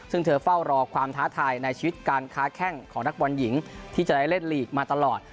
ซึ่งเธอเฝ้ารอความท้าทายในชีวิตการค้าแข้งของนักบอลหญิงที่จะได้เล่นลีกมาตลอด